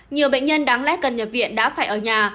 nhiều bệnh nhân đáng lẽ cần nhập viện đã phải ở nhà